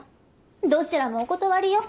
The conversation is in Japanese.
どちらもお断りよ。